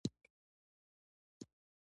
• صداقت د ژوند رڼا ده.